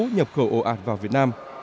nhập khẩu ổ ạt vào việt nam